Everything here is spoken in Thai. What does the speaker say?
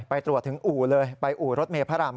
ไปตรวจถึงอู่เลยไปอู่รถเมย์พระราม